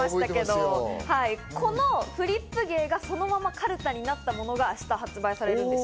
このフリップ芸がそのままかるたになったものが明日発売されるんです。